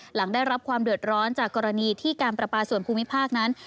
หลังได้รับความเดือดร้อนจากกรณีที่การประปาส่วนภูมิภาคนั้น